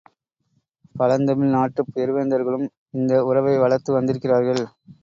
பழந்தமிழ் நாட்டுப் பெருவேந்தர்களும் இந்த உறவை வளர்த்து வந்திருக்கிறார்கள்.